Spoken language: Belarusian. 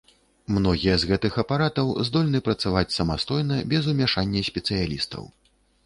Многія з гэтых апаратаў здольны працаваць самастойна без умяшання спецыялістаў.